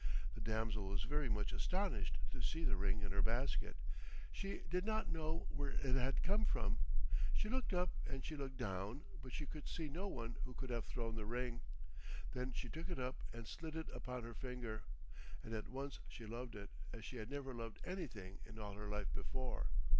The damsel was very much astonished to see the ring in her basket. She did not know where it had come from. She looked up, and she looked down, but she could see no one who could have thrown the ring. Then she took it up and slid it upon her finger, and at once she loved it as she had never loved anything in all her life before.